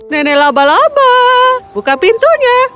nenek laba laba buka pintunya